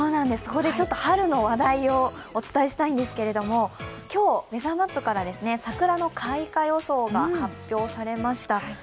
ここで春の話題をお伝えしたいんですけれども、今日、ウェザーマップから桜の開花予想が発表されました。